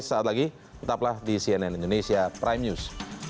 sesaat lagi tetaplah di cnn indonesia prime news